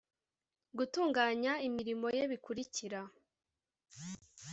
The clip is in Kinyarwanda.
gutunganya imirimo ye bikurikira